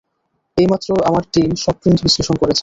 এইমাত্র আমার টিম সব প্রিন্ট বিশ্লেষণ করেছেন।